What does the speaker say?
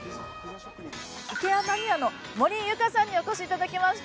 イケアマニアの森井ユカさんにお越しいただきました